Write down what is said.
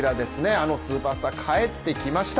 あのスーパースターが帰ってきました。